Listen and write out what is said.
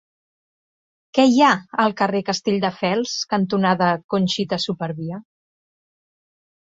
Què hi ha al carrer Castelldefels cantonada Conxita Supervia?